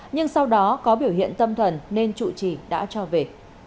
nhưng sau đó có biểu hiện tâm thần nên trụ trì đã cho về